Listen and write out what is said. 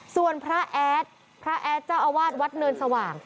ส่วนพระแอดพระแอดเจ้าอาวาสวัดเนินสว่าง